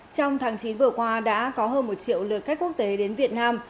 trong tháng chín vừa qua đã có hơn một triệu lượt khách quốc tế đến việt nam